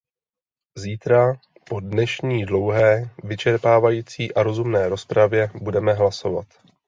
Zítra, po dnešní dlouhé, vyčerpávající a rozumné rozpravě, budeme hlasovat.